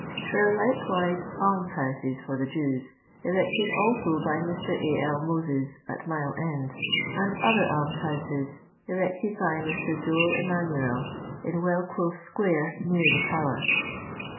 There nre likewise alms houses for the Jews, erected also by Mr. A. L. Moses, at Mile end, and other alms houses, erected by Mr. Joel Kmani'.el, in Wellclose square, near the Tower.